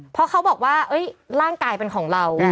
เพราะเขาบอกว่าร่างกายเป็นของเรา